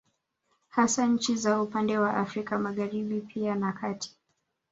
Hasa nchi za upande wa Afrika Magharibi pia na kati